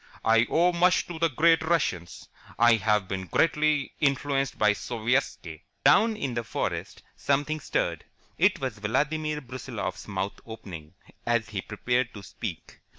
I owe much to the great Russians. I have been greatly influenced by Sovietski." Down in the forest something stirred. It was Vladimir Brusiloff's mouth opening, as he prepared to speak.